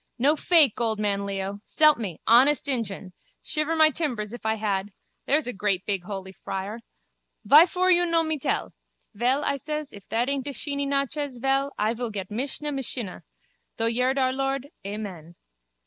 No fake, old man Leo. S'elp me, honest injun. Shiver my timbers if I had. There's a great big holy friar. Vyfor you no me tell? Vel, I ses, if that aint a sheeny nachez, vel, I vil get misha mishinnah. Through yerd our lord, Amen.